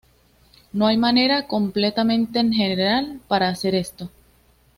No hay manera completamente general para hacer esto.